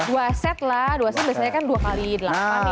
dua set lah dua set biasanya kan dua kali delapan ya